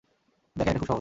দেখেন এটা খুব সহজ।